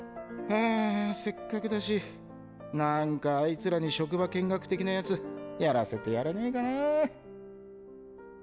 あせっかくだしなんかアイツらに職場見学的なヤツやらせてやれねぇかな。